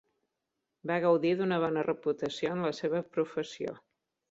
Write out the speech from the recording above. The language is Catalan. Va gaudir d'una bona reputació en la seva professió.